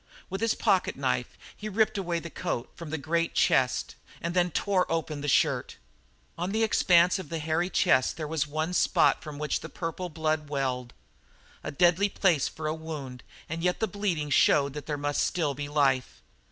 With his pocket knife he ripped away the coat from the great chest and then tore open the shirt. On the expanse of the hairy chest there was one spot from which the purple blood welled; a deadly place for a wound, and yet the bleeding showed that there must still be life.